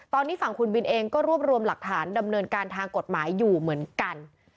ตอนนี้ฝั่งคุณบินเองก็รวบรวมหลักฐานดำเนินการทางกฎหมายอยู่เหมือนกัน